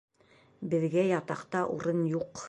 Беҙгә ятаҡта урын юҡ.